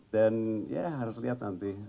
dan ya harus lihat nanti